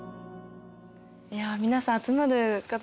いや皆さん集まる方たち